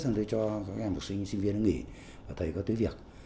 xong rồi tôi cho các em học sinh sinh viên nghỉ và thầy có tí việc